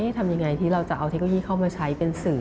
ทำยังไงที่เราจะเอาเทคโนโลยีเข้ามาใช้เป็นสื่อ